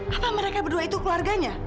kata mereka berdua itu keluarganya